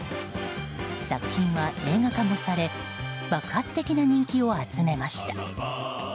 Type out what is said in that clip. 作品は映画化もされ爆発的な人気を集めました。